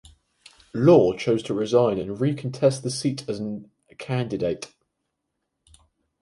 Law chose to resign and recontest the seat as an candidate.